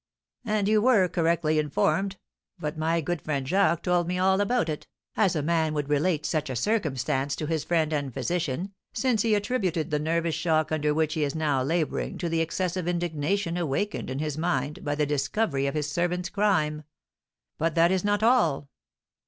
"And you were correctly informed; but my good friend Jacques told me all about it, as a man would relate such a circumstance to his friend and physician, since he attributed the nervous shock under which he is now labouring to the excessive indignation awakened in his mind by the discovery of his servant's crime. But that is not all.